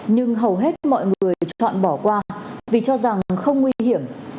nhưng hầu hết mọi người chọn bỏ qua vì cho rằng không nguy hiểm